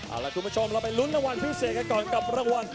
เอาล่ะคุณผู้ชมเราไปลุ้นรางวัลพิเศษกันก่อนกับรางวัล